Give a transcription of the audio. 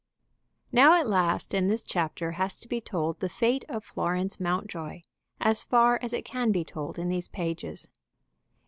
Now at last in this chapter has to be told the fate of Florence Mountjoy, as far as it can be told in these pages.